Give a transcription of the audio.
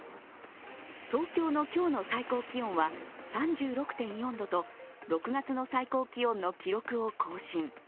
東京の今日の最高気温は３６．４度、６月の最高気温の記録を更新。